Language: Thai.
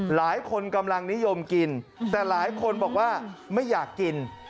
หลายคนกำลังนิยมกินแต่หลายคนบอกว่าไม่อยากกิน